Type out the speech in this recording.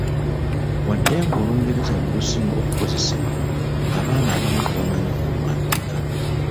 Wadde nga Olungereza lwe lusinga okukozesebwa, abaana abamu tebamanyi kuluwandiika.